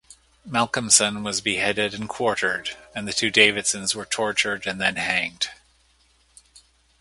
Malcolmson was beheaded and quartered and the two Davidsons were tortured and then hanged.